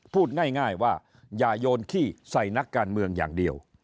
พูดง่ายว่าอย่าโยนขี้ใส่นักการเมืองอย่างเดียว